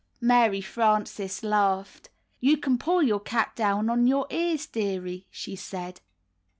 Mary Frances laughed. "You can pull your cap down on your ears, dearie," she said.